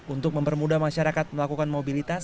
untuk mempermudah masyarakat melakukan mobilitas